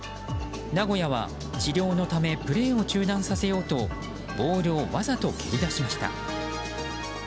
名古屋は治療のためプレーを中断させようとボールをわざと蹴り出しました。